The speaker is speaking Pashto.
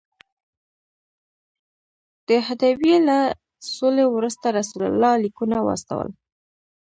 د حدیبیې له سولې وروسته رسول الله لیکونه واستول.